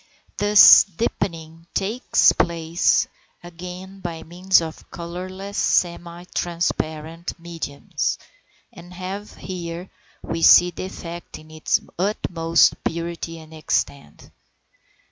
This deepening takes place again by means of colourless semi transparent mediums, and here we see the effect in its utmost purity and extent.